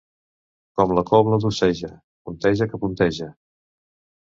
Com la cobla d'Oceja, punteja que punteja.